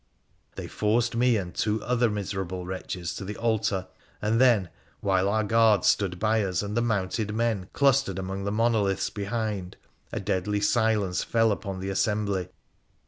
They forced me and two other miserable wretches to the altar, and then, while our guards stood by us and the mounted men clustered among the monoliths behind, a deadly silence fell upon the assembly.